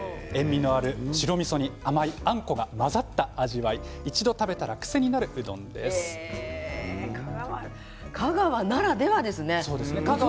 塩味のある白みそに甘いあんこが混ざった味わい香川ならではですね。